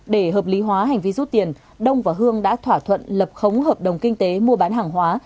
để hợp lý hóa hành vi rút tiền đông và hương đã thỏa thuận lập khống hợp đồng kinh tế mua bán hàng hóa